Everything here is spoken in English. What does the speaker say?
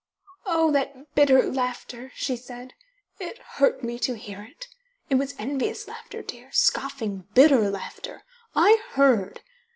"Oh, that bitter laughter!" she said. "It hurt me to hear it. It was envious laughter, dear, scoffing, bitter laughter. I heard!